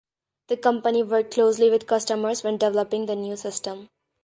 The company worked closely with customers when developing the new system.